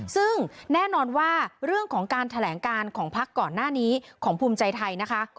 ซึ่งแน่นอนว่าเรื่องของการแถลงการของพักก่อนหน้านี้ของภูมิใจไทยนะคะ